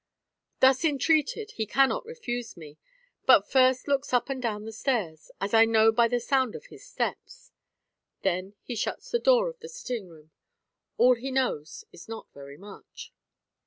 Thus entreated, he cannot refuse me, but first looks up and down the stairs, as I know by the sound of his steps; then he shuts the door of the sitting room. All he knows is not very much.